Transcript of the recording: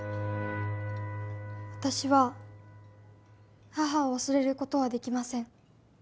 私は母を忘れることはできません。